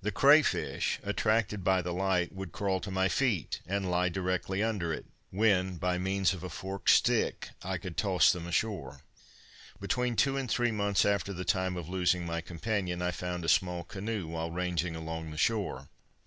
The cray fish, attracted by the light, would crawl to my feet, and lie directly under it, when, by means of a forked stick, I could toss them ashore. Between two and three months after the time of losing my companion, I found a small canoe, while ranging along the shore.